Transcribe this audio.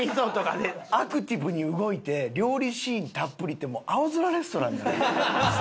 アクティブに動いて料理シーンたっぷりってもう『青空レストラン』なのよ。